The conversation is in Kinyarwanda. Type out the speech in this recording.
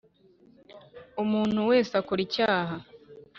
Umuntu wese akora icyaha .